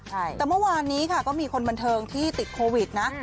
แต่เมื่อวานนี้ค่ะก็มีคนบันเทิงที่ติดโควิดนะ